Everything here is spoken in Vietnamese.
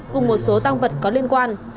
cùng một số tăng vật có liên quan